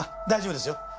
大丈夫ですよ。